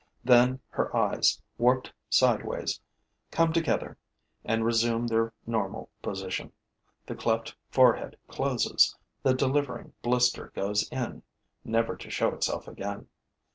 Then her eyes, warped sideways, come together and resume their normal position. The cleft forehead closes; the delivering blister goes in, never to show itself again.